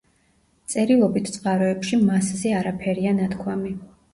წერილობით წყაროებში მასზე არაფერია ნათქვამი.